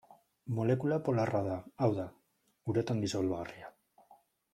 Molekula polarra da, hau da, uretan disolbagarria.